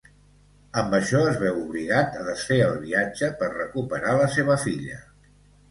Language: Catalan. Amb això es veu obligat a desfer el viatge per recuperar la seva filla.